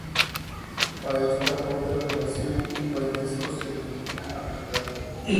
A esta otra relación de parentesco se le denomina afinidad.